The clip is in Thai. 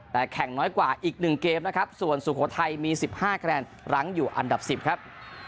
แต่แข่งน้อยกว่าอีก๑เกมนะครับส่วนสุโขทัยมี๑๕คะแนนรั้งอยู่อันดับ๑๐ครับ